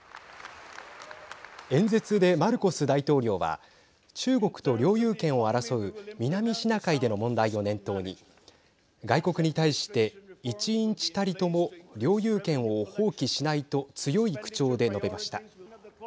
演説で、マルコス大統領は中国と領有権を争う南シナ海での問題を念頭に外国に対して１インチたりとも領有権を放棄しないと強い口調で述べました。